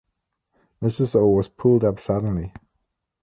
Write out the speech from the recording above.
Mrs. O. was pulled up suddenly.